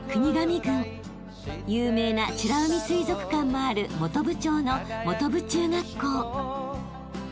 ［有名な美ら海水族館もある本部町の］